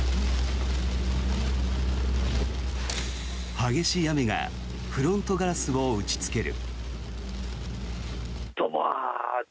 激しい雨がフロントガラスを打ちつける。